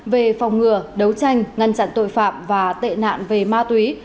về phòng ngừa đấu tranh ngăn chặn tội phạm và tệ nạn về ma túy